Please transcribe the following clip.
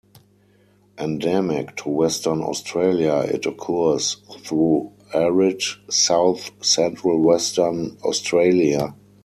Endemic to Western Australia, it occurs through arid south-central Western Australia.